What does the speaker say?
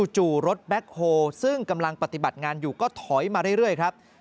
จู่รถแบ็คโฮซึ่งกำลังปฏิบัติงานอยู่ก็ถอยมาเรื่อยครับ